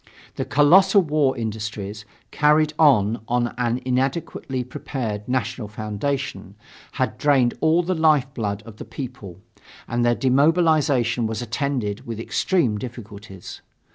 The colossal war industries, carried on on an inadequately prepared national foundation, had drained all the lifeblood of the people; and their demobilization was attended with extreme difficulties.